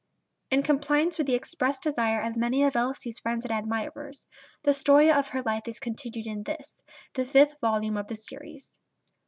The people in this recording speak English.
In compliance with the expressed desire of many of Elsie's friends and admirers, the story of her life is continued in this, the fifth volume of the series.